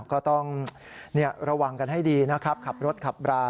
ก็ต้องระวังกันให้ดีนะครับขับรถขับรา